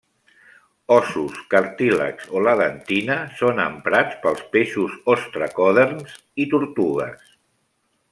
Ossos, cartílags, o la dentina són emprats pels peixos ostracoderms i tortugues.